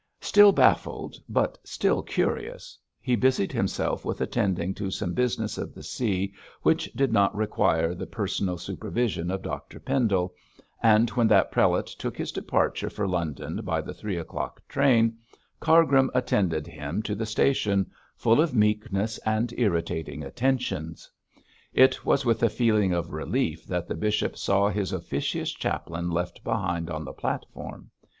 Still baffled, but still curious, he busied himself with attending to some business of the See which did not require the personal supervision of Dr Pendle, and when that prelate took his departure for London by the three o'clock train, Cargrim attended him to the station, full of meekness and irritating attentions. It was with a feeling of relief that the bishop saw his officious chaplain left behind on the platform.